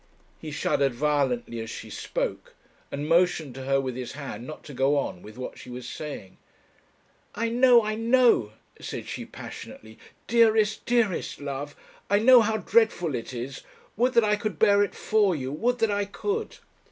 He shuddered violently as she spoke, and motioned to her with his hand not to go on with what she was saying. 'I know, I know,' said she passionately, 'dearest, dearest love I know how dreadful it is; would that I could bear it for you! would that I could!'